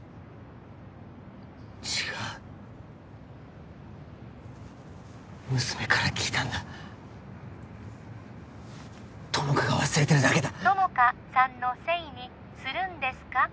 違う娘から聞いたんだ友果が忘れてるだけだ友果さんのせいにするんですか？